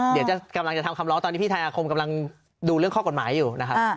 เดี๋ยวกำลังจะทำคำร้องตอนนี้พี่ไทยอาคมกำลังดูเรื่องข้อกฎหมายอยู่นะครับ